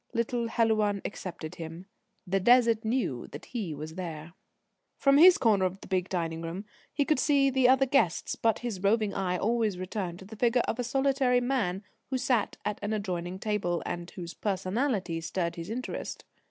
Little Helouan accepted him. The Desert knew that he was there. From his corner of the big dining room he could see the other guests, but his roving eye always returned to the figure of a solitary man who sat at an adjoining table, and whose personality stirred his interest.